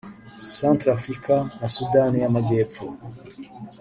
Centrafrika na Sudani y’Amajyepfo